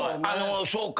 そうか。